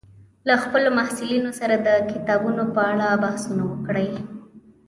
له خپلو محصلینو سره د کتابونو په اړه بحثونه وکړئ